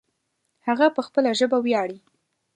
هغه په خپله ژبه ویاړې